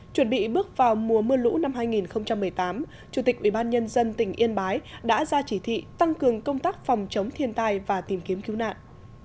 chuẩn bị bước vào mùa mưa lũ năm hai nghìn một mươi tám chủ tịch ubnd tỉnh yên bái đã ra chỉ thị tăng cường công tác phòng chống thiên tai và tìm kiếm cứu nạn